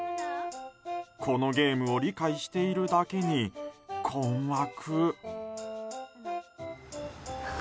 このゲームを理解しているだけに困惑。